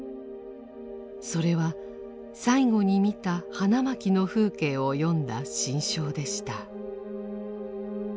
それは最後に見た花巻の風景を詠んだ心象でした。